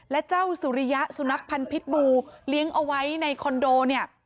และเจ้าสุริยะสุนัขพันธ์พิษบูเลี้ยงเอาไว้ในคอนโดเนี่ย